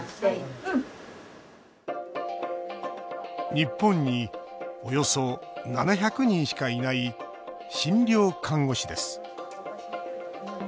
日本におよそ７００人しかいない診療看護師です。